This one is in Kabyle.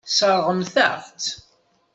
Tesseṛɣemt-aɣ-tt.